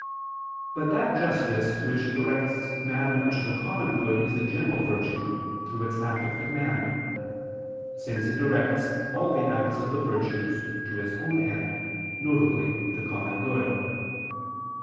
But that justice which directs man to the common good is a general virtue through its act of command: since it directs all the acts of the virtues to its own end, viz. the common good.